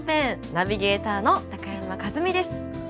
ナビゲーターの高山一実です。